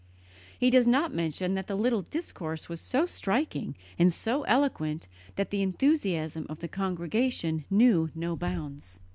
He does not mention that the little discourse was so striking and so eloquent that the enthusiasm of the congregation knew no bounds.